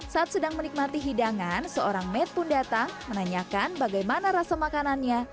saat sedang menikmati hidangan seorang med pun datang menanyakan bagaimana rasa makanannya